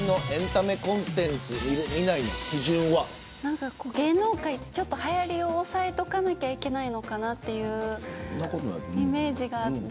何かこう、芸能界ってちょっとはやりを押さえとかなきゃいけないのかなっていうイメージがあって。